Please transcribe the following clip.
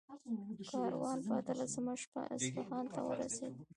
کاروان په اتلسمه شپه اصفهان ته ورسېد.